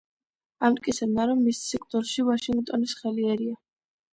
ამტკიცებდა, რომ მის სიკვდილში ვაშინგტონის ხელი ერია.